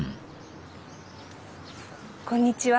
こんにちは。